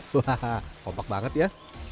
wahaha kompak banget ya